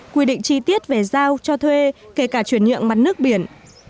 quy định chi tiết về giao cho thuê kể cả chuyển nhượng mặt nước biển